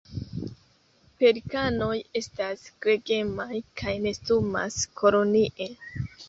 Pelikanoj estas gregemaj kaj nestumas kolonie.